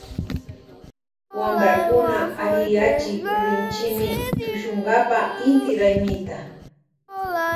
Wamprakuna alliyachi rinchimi tushunkapa inti raymita.